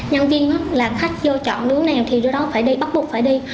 nhân viên là khách vô chọn nước nào thì đứa đó phải đi bắt buộc phải đi